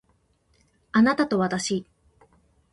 あなたとわたし